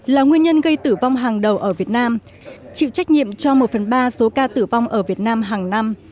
là nguyên nhân gây tử vong hàng đầu ở việt nam chịu trách nhiệm cho một phần ba số ca tử vong ở việt nam hàng năm